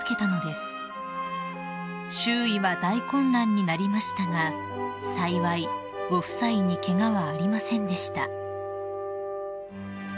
［周囲は大混乱になりましたが幸いご夫妻にケガはありませんでした］